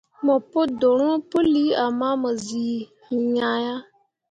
Mo pu dorõo puli ama mo zii iŋya yah.